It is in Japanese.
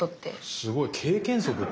すごい経験則って。